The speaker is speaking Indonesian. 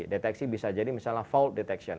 deteksi bisa jadi misalnya fall detection